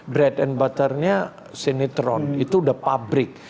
bread and butter nya sinetron itu udah pabrik